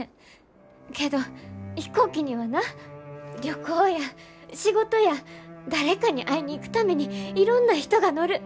けど飛行機にはな旅行や仕事や誰かに会いに行くためにいろんな人が乗る。